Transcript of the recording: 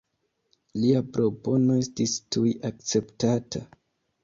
Lia propono estis tuj akceptata.